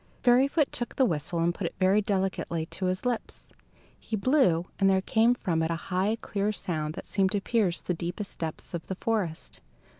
Fairyfoot took the whistle and put it very delicately to his lips. He blew, and there came from it a high, clear sound that seemed to pierce the deepest depths of the forest.